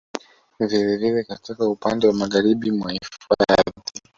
Vile vile katika upande wa magharibi mwa hifadhi